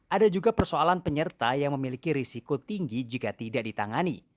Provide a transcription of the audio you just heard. ada juga persoalan penyerta yang memiliki risiko tinggi jika tidak ditangani